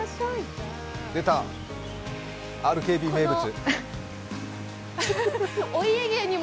出た、ＲＫＢ名物。